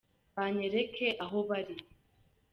banyereke aho bari.